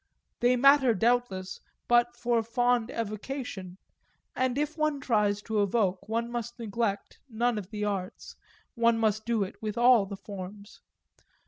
They matter doubtless but for fond evocation, and if one tries to evoke one must neglect none of the arts, one must do it with all the forms.